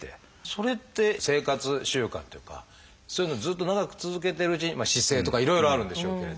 それって生活習慣というかそういうのをずっと長く続けてるうちに姿勢とかいろいろあるんでしょうけれど。